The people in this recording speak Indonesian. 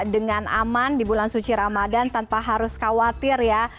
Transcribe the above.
dengan aman di bulan suci ramadan tanpa harus khawatir ya